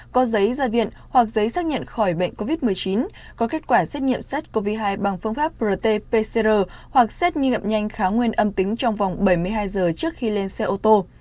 có giấy gia viện hoặc giấy xác nhận khỏi bệnh covid một mươi chín có kết quả xét nghiệm xét covid một mươi chín bằng phương pháp prote pcr hoặc xét nghiệm nhanh khá nguyên âm tính trong vòng bảy mươi hai giờ trước khi lên xe ô tô